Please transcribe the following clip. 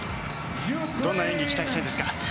どんな演技を期待したいですか？